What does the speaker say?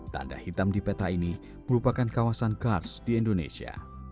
tanda hitam di peta ini merupakan kawasan kars di indonesia